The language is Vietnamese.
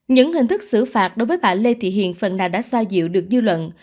những hình thức xử phạt đối với bà lê thị hiền phần nào đã xoa dịu được dư luận